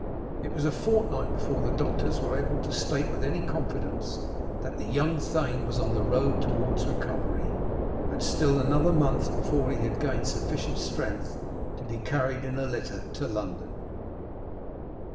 It was a fortnight before the doctors were able to state with any confidence that the young thane was on the road towards recovery, and still another month before he had gained sufficient strength to be carried in a litter to London.